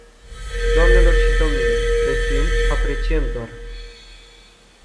Doamnelor și domnilor, prețuim, apreciem doar...